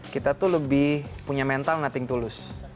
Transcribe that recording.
kita tuh lebih punya mental nothing tulus